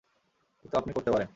কিন্তু আপনি করতে পারেন।